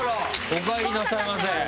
おかえりなさいませ。